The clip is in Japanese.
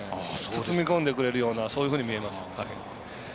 包み込んでくれるようなそういうふうに見えます。